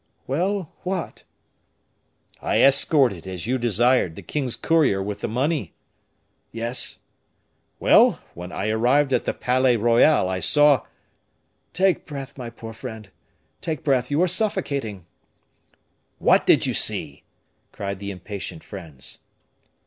"Well! what?" "I escorted, as you desired, the king's courier with the money." "Yes." "Well! when I arrived at the Palais Royal, I saw " "Take breath, my poor friend, take breath; you are suffocating." "What did you see?" cried the impatient friends.